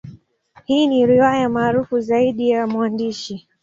Hii ni riwaya maarufu zaidi ya mwandishi.